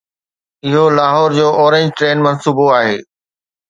اهو لاهور جو orange train منصوبو آهي.